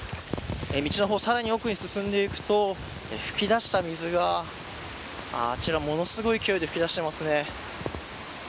道の方、さらに奥へ進んでいくと噴き出した水があちら、ものすごい勢いで噴き出してますね。